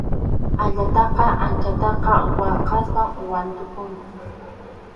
Ayataqa anchata waqaspam wantupunku.